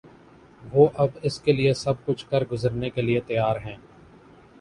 وہ اب اس کے لیے سب کچھ کر گزرنے کے لیے تیار ہیں۔